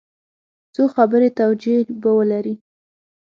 څو خبري توجیې به ولري.